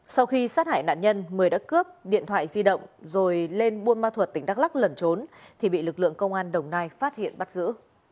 sau khi sát hại nạn nhân mười đã cướp điện thoại di động rồi lên buôn ma thuật tỉnh đắk lắc lẩn trốn thì bị lực lượng công an đồng nai phát hiện bắt giữ